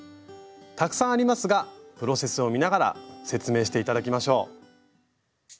たくさんありますがプロセスを見ながら説明して頂きましょう。